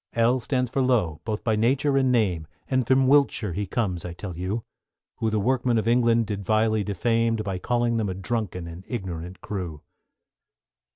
=L= stands for Lowe, both by nature and name, And from Wiltshire he comes I tell you; Who the workmen of England did vilely defame, By calling them a drunken and ignorant crew.